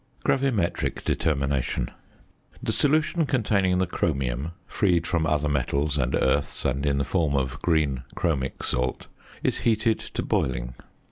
GRAVIMETRIC DETERMINATION. The solution containing the chromium, freed from other metals and earths and in the form of (green) chromic salt, is heated to boiling.